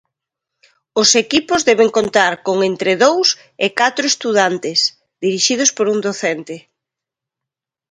Os equipos deben contar con entre dous e catro estudantes, dirixidos por un docente.